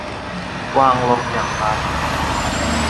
วางลงอย่างปราณีต